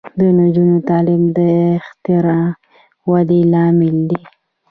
د نجونو تعلیم د اختراع ودې لامل دی.